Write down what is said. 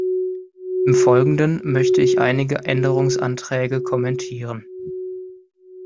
Im folgenden möchte ich einige Änderungsanträge kommentieren.